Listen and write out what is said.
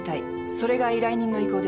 それが依頼人の意向です。